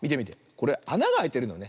これあながあいてるのね。